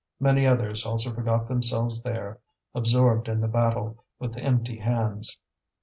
Many others also forgot themselves there, absorbed in the battle, with empty hands.